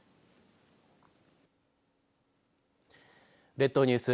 列島ニュース